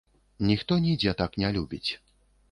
Ніхто нідзе так не любіць.